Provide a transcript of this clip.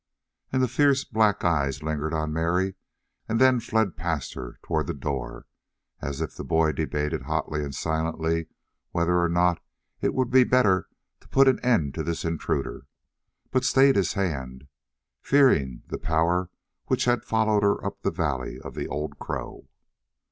And the fierce black eyes lingered on Mary and then fled past her toward the door, as if the boy debated hotly and silently whether or not it would be better to put an end to this intruder, but stayed his hand, fearing that Power which had followed her up the valley of the Old Crow.